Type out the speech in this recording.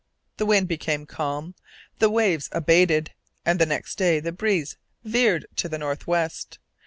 The wind became calm, the waves abated, and the next day the breeze veered to the north west.